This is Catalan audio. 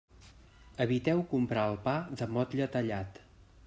Eviteu comprar el pa de motlle tallat.